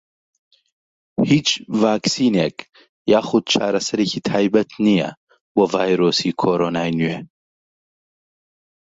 هیچ ڤاکسینێک یاخود چارەسەرێکی تایبەت نییە بۆ ڤایرۆسی کۆرۆنای نوێ.